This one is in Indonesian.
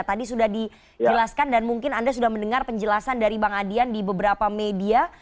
tadi sudah dijelaskan dan mungkin anda sudah mendengar penjelasan dari bang adian di beberapa media